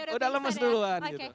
sudah lemes duluan gitu